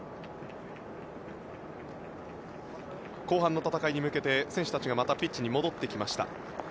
後半の戦いに向けて選手たちがまたピッチに戻ってきました。